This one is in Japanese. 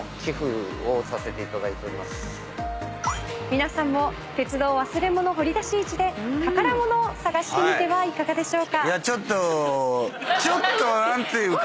皆さんも鉄道忘れ物掘り出し市で宝物を探してみてはいかがでしょうか。